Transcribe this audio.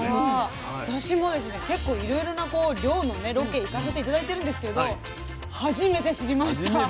私もですね結構いろいろな漁のロケ行かせて頂いてるんですけど初めて知りました。